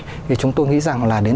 thì chúng tôi nghĩ rằng là đến chín mươi